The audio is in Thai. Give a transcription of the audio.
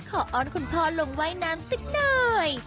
อ้อนคุณพ่อลงว่ายน้ำสักหน่อย